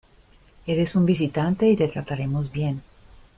Eres un visitante y te trataremos bien.